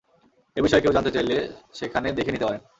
এ বিষয়ে কেউ জানতে চাইলে সেখানে দেখে নিতে পারেন।